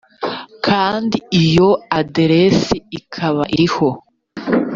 kandi iyo aderesi ikaba iriho